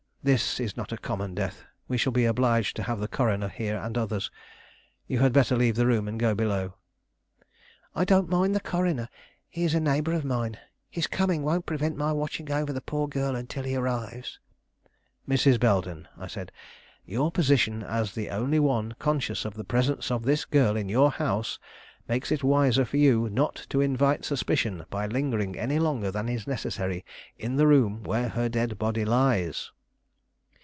"This is not a common death; we shall be obliged to have the coroner here and others. You had better leave the room and go below." "I don't mind the coroner; he is a neighbor of mine; his coming won't prevent my watching over the poor girl until he arrives." "Mrs. Belden," I said, "your position as the only one conscious of the presence of this girl in your house makes it wiser for you not to invite suspicion by lingering any longer than is necessary in the room where her dead body lies."